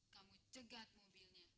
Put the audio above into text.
kamu cegat mobilnya